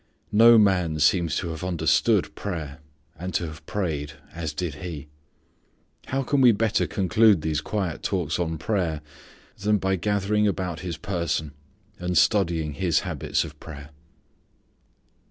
No man seems to have understood prayer, and to have prayed as did He. How can we better conclude these quiet talks on prayer than by gathering about His person and studying His habits of prayer.